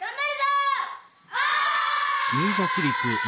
お！